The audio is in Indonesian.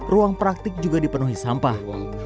ruang praktik juga dipenuhi sampah